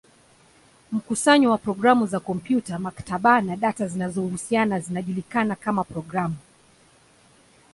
Mkusanyo wa programu za kompyuta, maktaba, na data zinazohusiana zinajulikana kama programu.